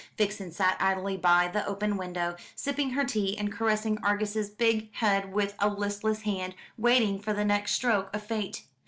Vixen sat idly by the open window, sipping her tea, and caressing Argus's big head with a listless hand, waiting for the next stroke of fate.